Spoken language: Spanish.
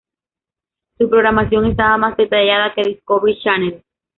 Su programación estaba más detallada que Discovery Channel.